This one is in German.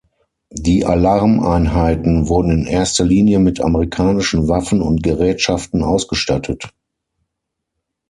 Die Alarm-Einheiten wurden in erster Linie mit amerikanischen Waffen und Gerätschaften ausgestattet.